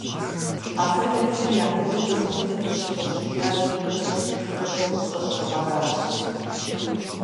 А фэеплъыр япэ дыдэу тхыдэм къыщыхэщыжыр минрэ щиблрэ блыщӏрэ щы гъэращ.